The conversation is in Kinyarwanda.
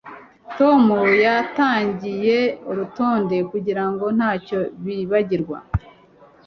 Tom yatangiye urutonde kugirango ntacyo yibagirwa